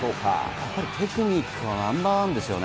やっぱりテクニックがナンバーワンですよね。